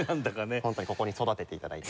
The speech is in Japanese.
ホントにここに育てて頂いて。